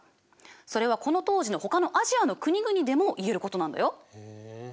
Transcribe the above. それはこの当時のほかのアジアの国々でも言えることなんだよ。